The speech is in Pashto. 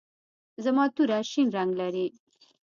زما توره شین رنګ لري.